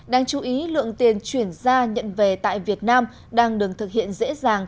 đáng chú ý lượng tiền chuyển ra nhận về tại việt nam đang đường thực hiện dễ dàng